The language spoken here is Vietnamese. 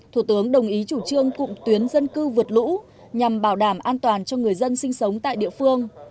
thủ tướng đồng ý chủ trương cụm tuyến dân cư vượt lũ nhằm bảo đảm an toàn cho người dân sinh sống tại địa phương